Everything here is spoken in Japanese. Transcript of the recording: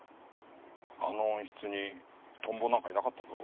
あの温室にトンボなんかいなかったぞ。